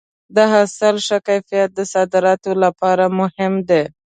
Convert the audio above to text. د حاصل ښه کیفیت د صادراتو لپاره مهم دی.